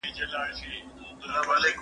نه یې وکړل د آرامي شپې خوبونه